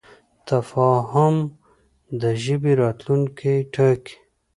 تفاهم د ژبې راتلونکی ټاکي.